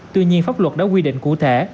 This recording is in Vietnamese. tuy nhiên pháp luật đã quy định cụ thể